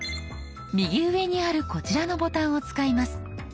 右上にあるこちらのボタンを使います。